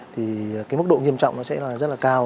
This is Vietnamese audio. thì cái mức độ nghiêm trọng nó sẽ là rất là cao